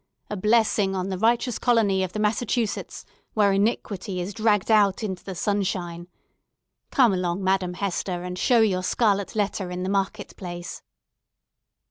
A blessing on the righteous colony of the Massachusetts, where iniquity is dragged out into the sunshine! Come along, Madame Hester, and show your scarlet letter in the market place!"